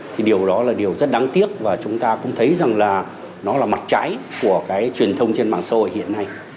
thì điều đó là điều rất đáng tiếc và chúng ta cũng thấy rằng là nó là mặt trái của cái truyền thông trên mạng xã hội hiện nay